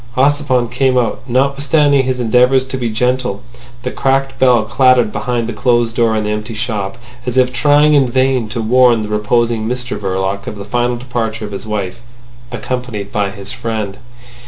Ossipon came out. Notwithstanding his endeavours to be gentle, the cracked bell clattered behind the closed door in the empty shop, as if trying in vain to warn the reposing Mr Verloc of the final departure of his wife—accompanied by his friend.